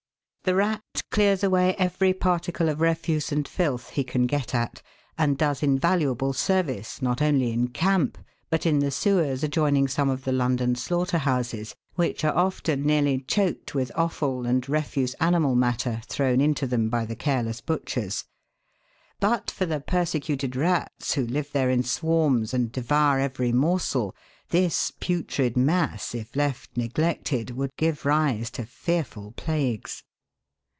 The rat clears away every particle of refuse and filth he can get at, and does invaluable service not only in camp but in the sewers adjoining some of the London slaughter houses, which are often nearly choked with offal and refuse animal matter thrown into them by the careless butchers. But for the persecuted rats, who live there in swarms and devour every morsel, this putrid mass, if left neglected, would give rise to fearful plagues.